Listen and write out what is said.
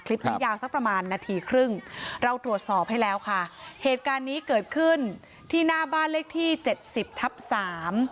ยาวสักประมาณนาทีครึ่งเราตรวจสอบให้แล้วค่ะเหตุการณ์นี้เกิดขึ้นที่หน้าบ้านเลขที่เจ็ดสิบทับสาม